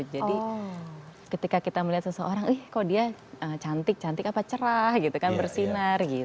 jadi ketika kita melihat seseorang ih kok dia cantik cantik apa cerah gitu kan bersinar gitu